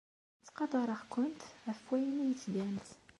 Ttqadareɣ-kent ɣef wayen ay tgamt.